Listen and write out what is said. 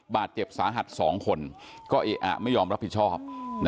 บาดเจ็บสาหัส๒คนก็เออะไม่ยอมรับผิดชอบ